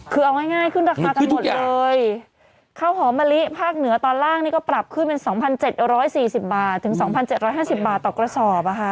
คือเอาง่ายขึ้นราคากันหมดเลยข้าวหอมมะลิภาคเหนือตอนล่างนี่ก็ปรับขึ้นเป็น๒๗๔๐บาทถึง๒๗๕๐บาทต่อกระสอบ